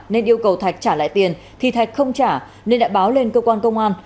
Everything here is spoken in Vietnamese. nên yêu cầu thạch trả lại tiền thì thạch không trả nên đã báo lên cơ quan công an